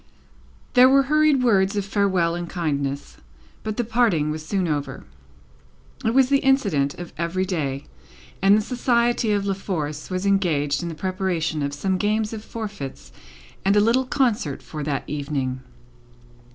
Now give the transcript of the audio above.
There were hurried words of farewell and kindness, but the parting was soon over. It was the incident of every day, and the society of La Force were engaged in the preparation of some games of forfeits and a little concert, for that evening.